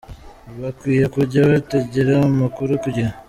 Bakwiye kujya batangira amakuru ku gihe.